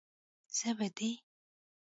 زه به دې.